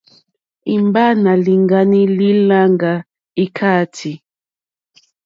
Imba nà lìŋgani li làŋga ikàati.